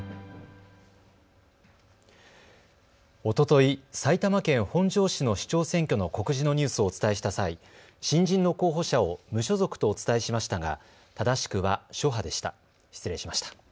おととい、埼玉県本庄市の市長選挙の告示のニュースをお伝えした際、新人の候補者を無所属とお伝えしましたが、正しくは諸派でした。